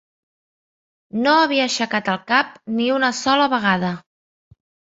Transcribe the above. No havia aixecat el cap ni una sola vegada.